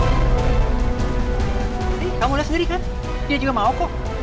eh kamu udah sendiri kan dia juga mau kok